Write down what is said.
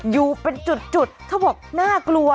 อยู่เป็นจุดเขาบอกน่ากลัว